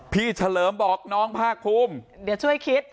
เฉลิมบอกน้องภาคภูมิเดี๋ยวช่วยคิด